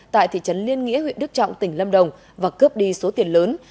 tại thị trấn liên nghĩa huyện đức trọng tỉnh lâm đồng và cướp đi số tiền lớn